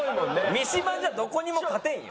三島じゃどこにも勝てんよ。